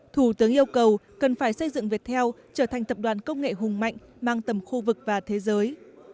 thủ tướng yêu cầu cần phải xây dựng việt heo trở thành tập đoàn công nghệ hùng mạnh mang tầm khu vực và thế giới